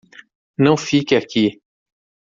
Não fique aqui